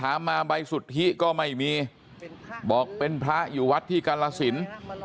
มาใบสุทธิก็ไม่มีบอกเป็นพระอยู่วัดที่กาลสิน